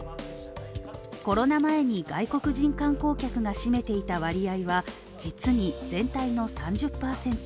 コロナ前に外国人観光客が占めていた割合は実に全体の３０％。